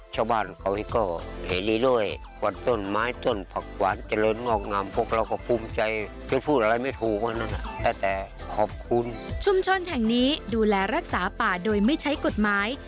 ชุมชนแห่งนี้ดูแลรักษาป่าโดยไม่ใช้กฎหมาย